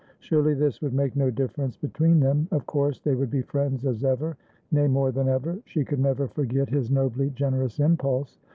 Surely this would make no difference between them? Of course they would be friends as evernay, more than ever? She could never forget his nobly generous impulse.